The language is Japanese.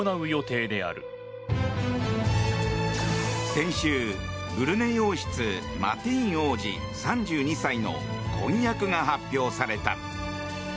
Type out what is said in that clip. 先週、ブルネイ王室マティーン王子、３２歳の婚約が発表された。